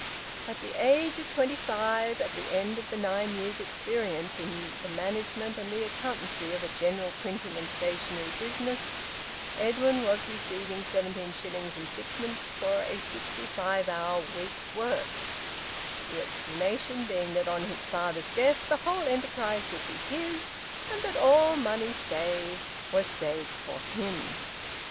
At the age of twenty five, at the end of nine years' experience in the management and the accountancy of a general printing and stationery business, Edwin was receiving seventeen shillings and sixpence for a sixty five hour week's work, the explanation being that on his father's death the whole enterprise would be his, and that all money saved was saved for him.